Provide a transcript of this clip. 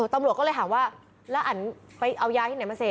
ตำรวจก็เลยถามว่าแล้วอันไปเอายาที่ไหนมาเสพ